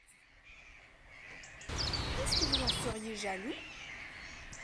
Est-ce que vous en seriez jaloux ?